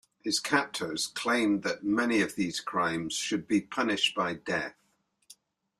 His captors claimed that many of these crimes should be punished by death.